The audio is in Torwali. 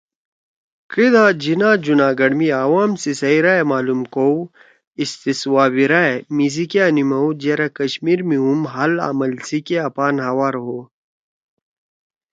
”کئیدا جناح جوناگڑھ می عوام سی صحیح رائے معلوم کؤ (اصتصواب رائے) میِسی کیا نمؤدُو یرأ کشمیر می ہُم ہال عمل کیا پان ہوار ہُوً“۔